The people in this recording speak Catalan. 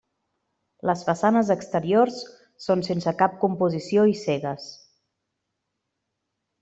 Les façanes exteriors són sense cap composició i cegues.